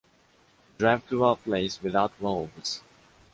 drive to a place without wolves!